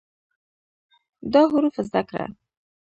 دا حروف زده کړه